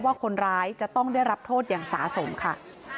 ว่าคนร้ายจะต้องได้รับโทษอย่างสะสมค่ะ